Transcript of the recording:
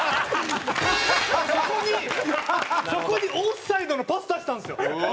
そこにそこにオフサイドのパス出したんですよ。